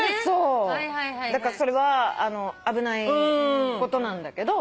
だからそれは危ないことなんだけど。